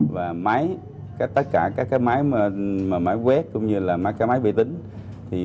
và máy tất cả các máy quét cũng như máy vệ tính